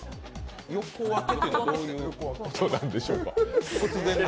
横分けというのはどういうことなんでしょうか。